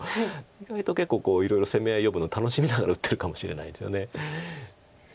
意外と結構いろいろ攻め合い読むの楽しみながら打ってるかもしれないですよね。